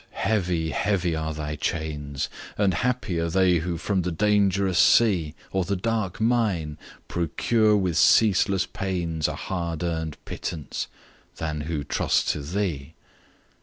heavy, heavy are thy chains, And happier they who from the dangerous sea, Or the dark mine, procure with ceaseless pains A hard earn'd pittance than who trust to thee!